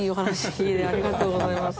ありがとうございます。